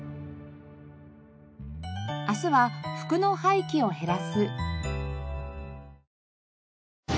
明日は服の廃棄を減らす。